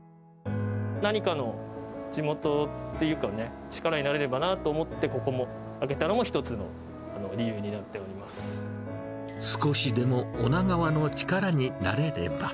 何かの、地元っていうかね、力になれればなと思って、ここも開けたのも、一つの理由になって少しでも女川の力になれれば。